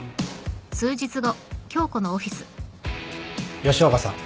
吉岡さん